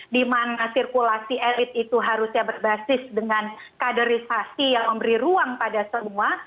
dimana sirkulasi elit itu harusnya berbasis dengan kaderisasi yang memberi ruang pada semua